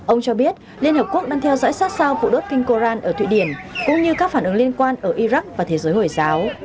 ông cho biết liên hợp quốc đang theo dõi sát sao vụ đốt kinh koran ở thụy điển cũng như các phản ứng liên quan ở iraq và thế giới hồi giáo